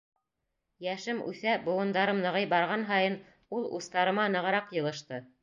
Йәшем үҫә, быуындарым нығый барған һайын, ул устарыма нығыраҡ йылышты.